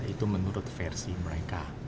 itu menurut versi mereka